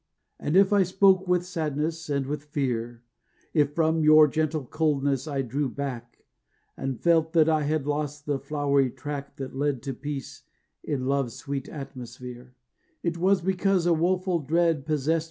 And if I spoke with sadness and with fear; If from your gentle coldness I drew back, And felt that I had lost the flowery track That led to peace in Love's sweet atmosphere: It was because a woful dread possessed.